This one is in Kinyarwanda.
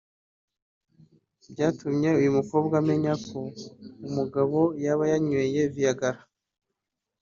byatumye uyu mukobwa amenya ko umugabo yaba yanyoye Viagra